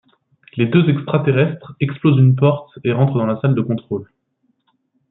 Les deux extraterrestres explosent une porte et rentrent dans la salle de contrôle.